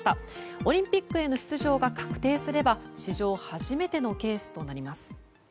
オリンピックへの出場が確定すれば史上初めてのケースとなります。